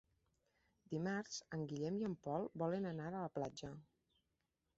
Dimarts en Guillem i en Pol volen anar a la platja.